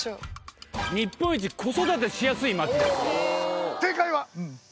日本一子育てしやすい町。